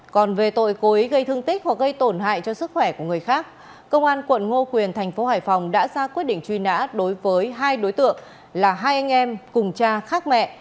công an quận ngo quyền tp hải phòng đã ra quyết định truy nã đối với hai đối tượng là hai anh em cùng cha khác mẹ